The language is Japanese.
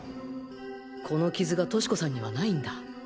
この傷がトシコさんにはないんだ。